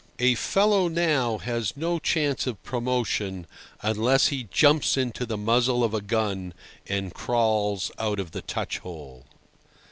"A FELLOW has now no chance of promotion unless he jumps into the muzzle of a gun and crawls out of the touch hole."